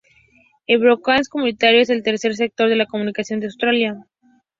El broadcasting comunitario es el tercer sector de la comunicación de Australia.